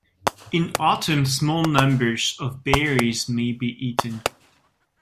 In autumn small numbers of berries may be eaten.